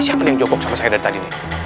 siapa yang jokok sama saya dari tadi